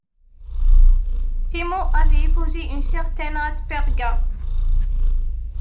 Pemmo avait épousé une certaine Ratperga.